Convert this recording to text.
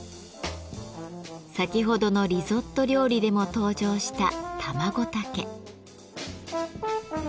先ほどのリゾット料理でも登場したタマゴタケ。